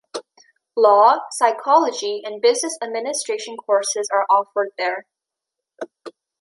Law, Psychology and Business Administration courses are offered there.